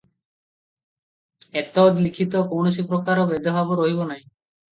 ଏତଦ୍ଲିଖିତ କୌଣସି ପ୍ରକାର ଭେଦଭାବ ରହିବ ନାହିଁ ।